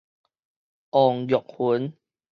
王玉雲